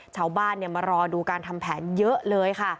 ชาวบ้านมารอดูการทำแผนเยอะเลยค่ะ